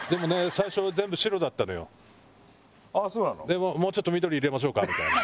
でももうちょっと緑入れましょうか？みたいな。